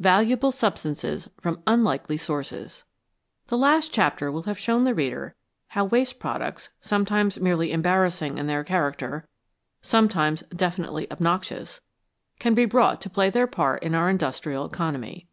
279 CHAPTER XXV VALUABLE SUBSTANCES FROM UNLIKELY SOURCES THE last chapter will have shown the reader how waste products, sometimes merely embarrassing in their character, sometimes definitely obnoxious, can be brought to play their part in our industrial economy.